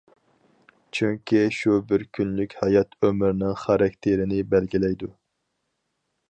چۈنكى شۇ بىر كۈنلۈك ھايات ئۆمۈرنىڭ خاراكتېرىنى بەلگىلەيدۇ.